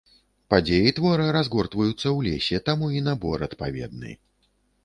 Падзеі твора разгортваюцца ў лесе, таму і набор адпаведны.